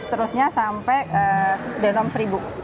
begitu seterusnya sampai denom rp satu